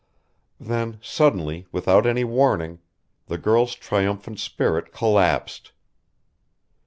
Then, suddenly, without any warning, the girl's triumphant spirit collapsed.